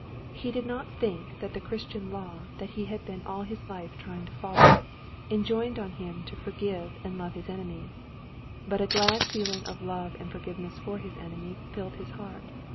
He did not think that the Christian law that he had been all his life trying to follow, enjoined on him to forgive and love his enemies; but a glad feeling of love and forgiveness for his enemies filled his heart.